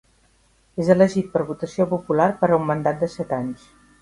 És elegit per votació popular per a un mandat de set anys.